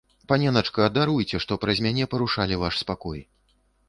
Паненачка, даруйце, што праз мяне парушалі ваш спакой.